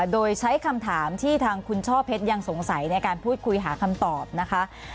โดยใช้คำถามที่ทางคุณช่อเพชรยังสงสัยในการพูดคุยหาคำตอบนะคะ